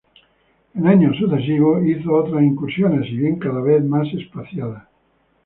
En años sucesivos hizo otras incursiones, si bien cada vez más espaciadas.